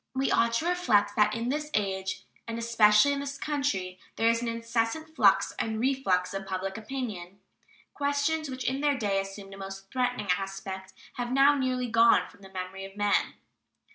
We ought to reflect that in this age, and especially in this country, there is an incessant flux and reflux of public opinion. Questions which in their day assumed a most threatening aspect have now nearly gone from the memory of men.